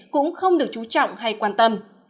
cũng không được chú trọng hay quan tâm